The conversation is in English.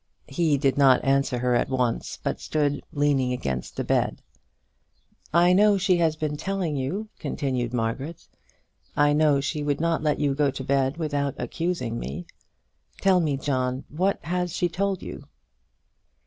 He did not answer her at once, but stood leaning against the bed. "I know she has been telling you," continued Margaret. "I know she would not let you go to bed without accusing me. Tell me, John, what she has told you."